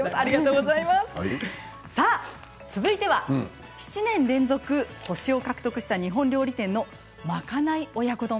続いては７年連続星を獲得した日本料理店の賄い親子丼。